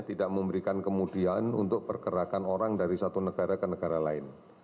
tidak memberikan kemudian untuk pergerakan orang dari satu negara ke negara lain